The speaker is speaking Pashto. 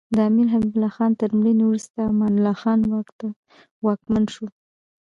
د امیر حبیب الله خان تر مړینې وروسته امان الله خان واکمن شو.